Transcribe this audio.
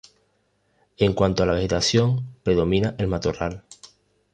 En cuanto a la vegetación predomina el matorral.